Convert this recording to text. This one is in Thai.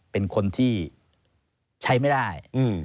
เป็นคนที่ใช้ไม่ได้